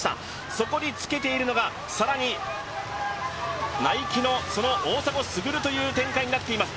そこにつけているのが更にＮｉｋｅの大迫傑という展開になっています。